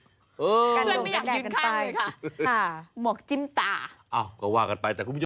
เพื่อนไม่อยากกินข้าวเลยค่ะหมวกจิ้มตาอ้าวก็ว่ากันไปแต่คุณผู้ชม